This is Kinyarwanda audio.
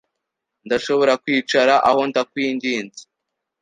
Ndashobora kwicara aho, ndakwinginze?